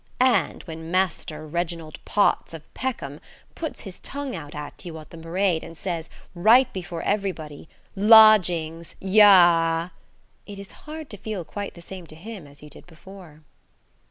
And when Master Reginald Potts, of Peckham, puts his tongue out at you on the parade and says, right before everybody, "Lodgings! Yah!" it is hard to feel quite the same to him as you did before.